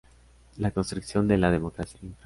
La construcción de la democracia.